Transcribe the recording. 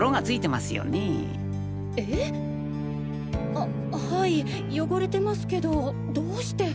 あはい汚れてますけどどうして。